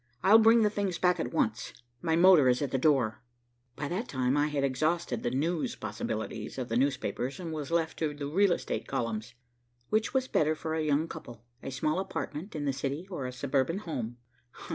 I'll bring the things back at once. My motor is at the door." By that time I had exhausted the news possibilities of the newspapers and was left to the real estate columns. "Which was better for a young couple, a small apartment in the city or a suburban home?"